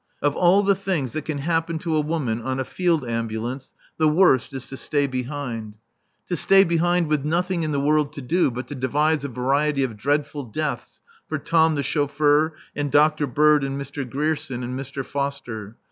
Of all the things that can happen to a woman on a field ambulance, the worst is to stay behind. To stay behind with nothing in the world to do but to devise a variety of dreadful deaths for Tom, the chauffeur, and Dr. Bird and Mr. Grierson and Mr. Foster.